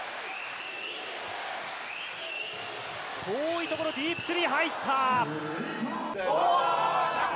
遠い所、ディープスリー、入った。